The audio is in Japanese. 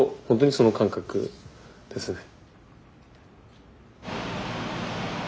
本当にその感覚ですね。